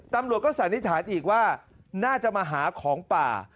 ตำรวจก็สันนิษฐานอีกว่าน่าจะมาหาของป่า